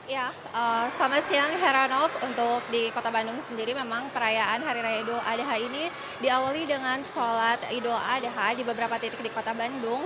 ya selamat siang heranov untuk di kota bandung sendiri memang perayaan hari raya idul adha ini diawali dengan sholat idul adha di beberapa titik di kota bandung